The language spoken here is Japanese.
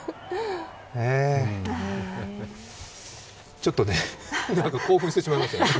ちょっと興奮してしまいましたね。